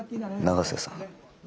永瀬さん。